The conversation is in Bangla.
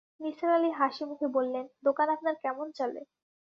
নিসার আলি হাসিমুখে বললেন, দোকান আপনার কেমন চলে?